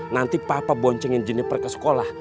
nanti papa boncengin jenniper ke sekolah